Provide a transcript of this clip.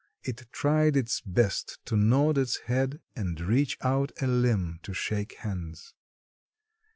it tried its best to nod its head and reach out a limb to shake hands.